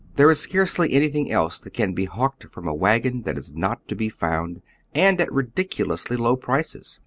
There is scarcely anything else that can be hawked from a wagon that is not to be found, and at ridiculously low prices.